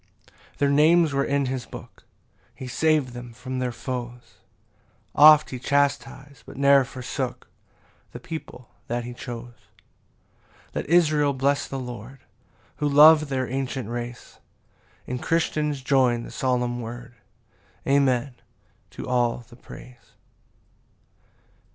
5 Their names were in his book, He sav'd them from their foes; Oft he chastis'd, but ne'er forsook The people that he chose. 6 Let Israel bless the Lord, Who lov'd their ancient race; And Christians join the solemn word Amen, to all the praise.